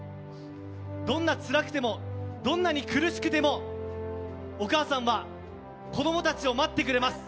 どんな、つらくてもどんなに苦しくてもお母さんは子供たちを待ってくれます。